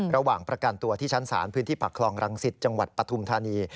ระหว่างประกันตัวที่ชั้นศาลพื้นที่ปักคลองรังสิตจังหวัดปฐุมธานี